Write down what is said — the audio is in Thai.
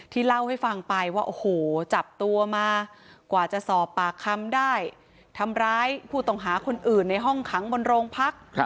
เล่าให้ฟังไปว่าโอ้โหจับตัวมากว่าจะสอบปากคำได้ทำร้ายผู้ต้องหาคนอื่นในห้องขังบนโรงพัก